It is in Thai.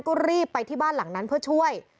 ก็รีบไปที่บ้านหลังนั้นเพื่อช่วย